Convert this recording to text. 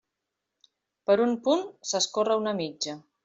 Per un punt, s'escorre una mitja.